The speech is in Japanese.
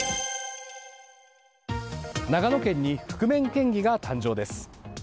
長野県に覆面県議が誕生です。